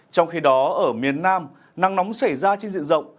trong khi đó ở miền nam nắng nóng xảy ra trên diện rộng